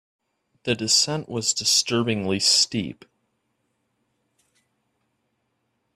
The descent was disturbingly steep.